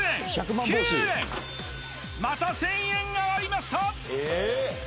また１０００円上がりました